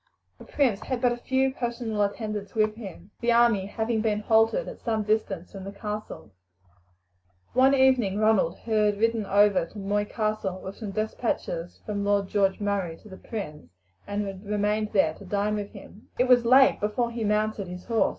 The prince had but a few personal attendants with him, the army having been halted at some distance from the castle. One evening Ronald had ridden over to Moy Castle with some despatches from Lord George Murray to the prince, and had remained there to dine with him. It was late before he mounted his horse.